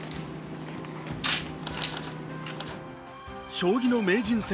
将棋の名人戦